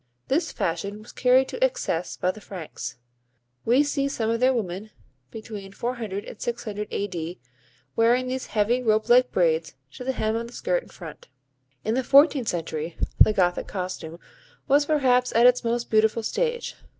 This fashion was carried to excess by the Franks. We see some of their women between 400 and 600 A. D. wearing these heavy, rope like braids to the hem of the skirt in front. In the fourteenth century the Gothic costume was perhaps at its most beautiful stage.